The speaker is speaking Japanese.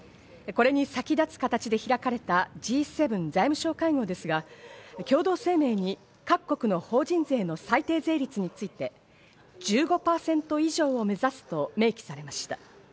これに先立つ形で開かれたＧ７財務相会合ですが、共同声明に各国の法人税の最低税率について、１５％以上を目指すと明記されました。